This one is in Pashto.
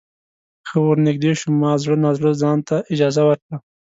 ښه ورنږدې شوم ما زړه نا زړه ځانته اجازه ورکړه.